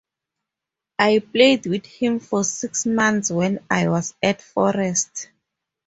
I played with him for six months when I was at Forest.